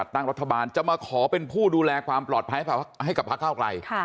ตั้งรัฐบาลจะมาขอเป็นผู้ดูแลความปลอดภัยให้กับพระเก้าไกล